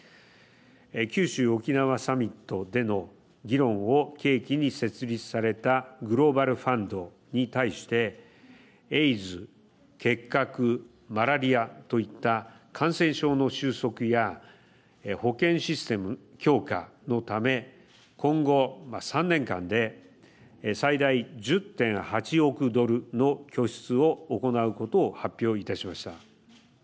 九州沖縄サミットでの議論を契機に設立されたグローバルファンドに対してエイズ、結核、マラリアといった感染症の収束や保健システム強化のため今後３年間で最大１０．８億ドルの拠出を行うことを発表いたしました。